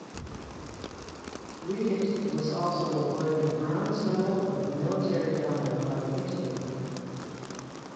Readitt was also awarded the Bronze Medal of Military Valor by Italy.